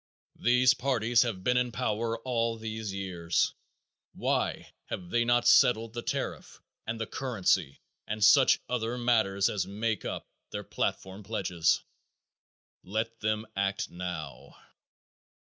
These parties have been in power all these years, why have they not settled the tariff and the currency and such other matters as make up their platform pledges? _Let Them Act Now.